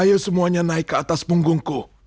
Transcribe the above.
ayo semuanya naik ke atas punggungku